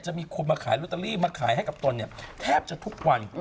มีคนมาขายลอตเตอรี่มาขายให้กับตนเนี่ยแทบจะทุกวัน